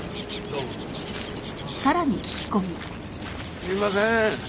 すいません。